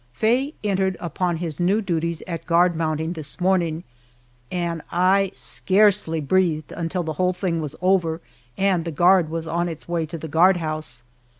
Faye entered upon his new duties at guard mounting this morning, and I scarcely breathed until the whole thing was over and the guard was on its way to the guardhouse!